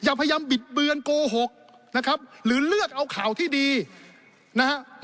พยายามบิดเบือนโกหกนะครับหรือเลือกเอาข่าวที่ดีนะฮะ